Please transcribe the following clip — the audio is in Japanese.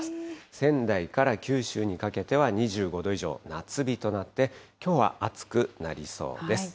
仙台から九州にかけては２５度以上、夏日となって、きょうは暑くなりそうです。